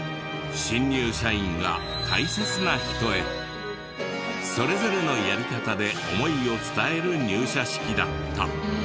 新入社員が大切な人へそれぞれのやり方で思いを伝える入社式だった。